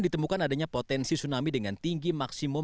ditemukan adanya potensi tsunami dengan tinggi maksimum